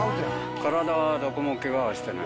体はどこもけがはしてない。